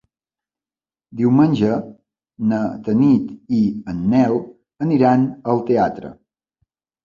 Diumenge na Tanit i en Nel aniran al teatre.